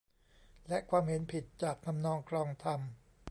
และความเห็นผิดจากทำนองคลองธรรม